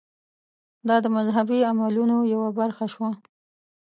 دا د مذهبي عملونو یوه برخه شوه.